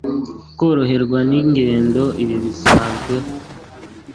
koroherwa n'ingendo ibi bigezweho